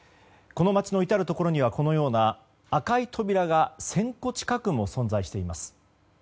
この街の至るところにはこのような赤い扉が１０００個近くも存在しています。